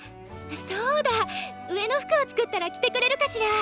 そうだ上の服を作ったら着てくれるかしら？